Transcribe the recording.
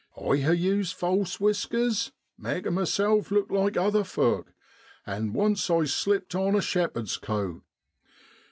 I ha' used false whiskers, makin' myself look like other folk, and once I slipped on a shepherd's coat.